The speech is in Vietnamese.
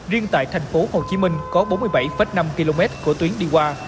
riêng tại thành phố hồ chí minh có bốn mươi bảy năm km của tuyến đi qua